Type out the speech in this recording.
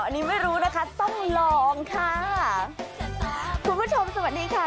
อันนี้ไม่รู้นะคะต้องลองค่ะคุณผู้ชมสวัสดีค่ะ